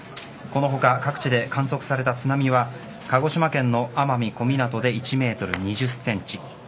この他各地で観測された津波は鹿児島県の奄美小湊で１メートル２０センチ